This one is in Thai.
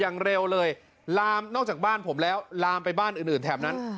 อย่างเร็วเลยลามนอกจากบ้านผมแล้วลามไปบ้านอื่นแถบนั้น